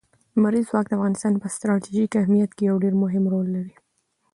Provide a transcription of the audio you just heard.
لمریز ځواک د افغانستان په ستراتیژیک اهمیت کې یو ډېر مهم رول لري.